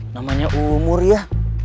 namanya umur ya